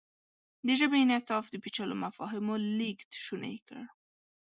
د ژبې انعطاف د پېچلو مفاهیمو لېږد شونی کړ.